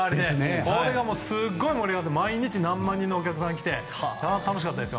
これがもうすごい盛り上がって毎日何万人のお客さんが来て楽しかったです。